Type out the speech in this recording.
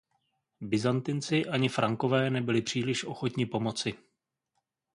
Byzantinci ani Frankové nebyli příliš ochotni pomoci.